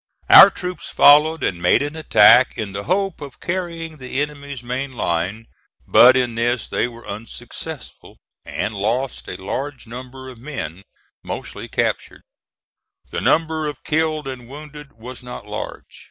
Our troops followed and made an attack in the hope of carrying the enemy's main line; but in this they were unsuccessful and lost a large number of men, mostly captured. The number of killed and wounded was not large.